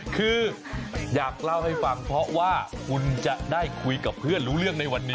คืออยากเล่าให้ฟังเพราะว่าคุณจะได้คุยกับเพื่อนรู้เรื่องในวันนี้